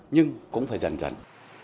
nhưng cũng phải dần dần